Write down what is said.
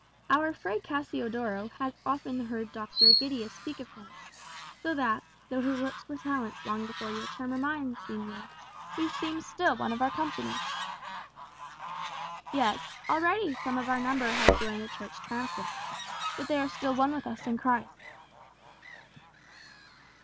"Our Fray Cassiodoro has often heard Dr. Egidius speak of him; so that, though his lips were silenced long before your time or mine, señor, he seems still one of our company." "Yes, already some of our number have joined the Church triumphant, but they are still one with us in Christ."